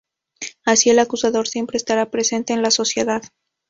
Así, el acusador siempre estará presente en la sociedad.